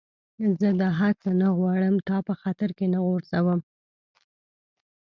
زه دا هر څه نه غواړم، تا په خطر کي نه غورځوم.